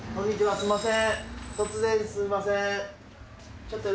すいません。